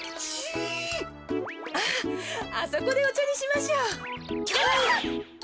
あっあそこでおちゃにしましょう。